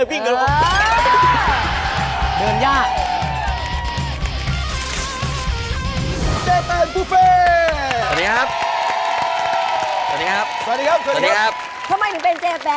บุฟเฟ่